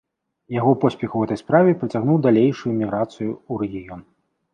Яго поспех у гэтай справе прыцягнуў далейшую міграцыі ў рэгіён.